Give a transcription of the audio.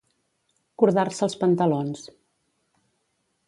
Cordar-se els pantalons.